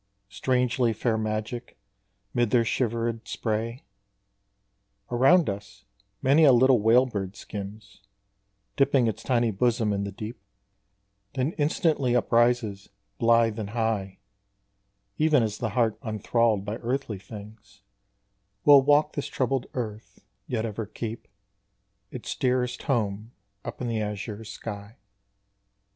Strangely fair magic, mid their shivered spray, Around us many a little whale bird skims, Dipping its tiny bosom in the deep, Then instantly uprises blithe and high, Even as the heart unthralled by earthly things Will walk this troubled earth yet ever keep Its dearest home up in the azure sky.